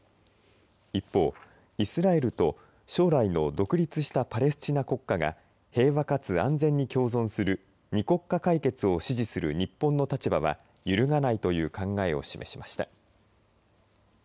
一方、イスラエルと将来の独立したパレスチナ国家が平和かつ安全に共存する２国家解決を支持する日本の立場は揺るがないという考えを示しました。